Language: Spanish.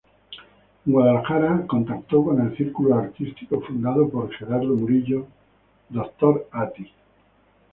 En Guadalajara contactó con el Círculo Artístico fundado por Gerardo Murillo, "Dr. Atl".